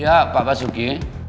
iya pak basuki